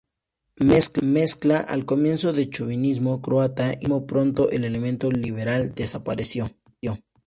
Mezcla al comienzo de chovinismo croata y liberalismo, pronto el elemento liberal desapareció.